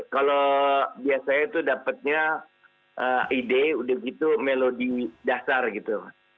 kalau biasanya itu dapatnya ide udah gitu melodi dasar gitu